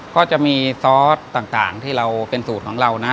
ก็จะมีซอสต่างที่เราเป็นสูตรของเรานะ